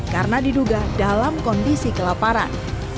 karena diduga dalam kondisi kelaparan